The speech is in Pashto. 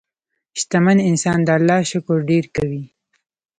شتمن انسان د الله شکر ډېر کوي.